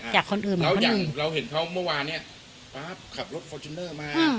จากคนอื่นแล้วอย่างเราเห็นเขาเมื่อวานเนี้ยป๊าบขับรถฟอร์จูเนอร์มา